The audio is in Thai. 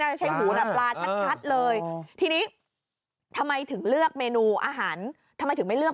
อาจารย์หูเอาหูมาทำเหรอ